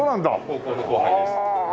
高校の後輩です。